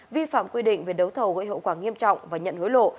vi phạm quy định về đấu thầu gây hậu quả nghiêm trọng và nhận hối lộ